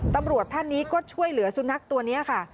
ตำรวจท่านนี้ก็ช่วยเหลือสุนัขตัวนี้ค่ะ